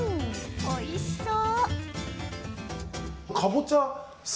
おいしそう。